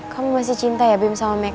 kamu masih cinta ya bim sama make